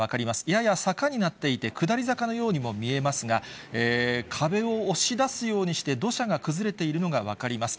やや坂になっていて、下り坂のようにも見えますが、壁を押し出すようにして土砂が崩れているのが分かります。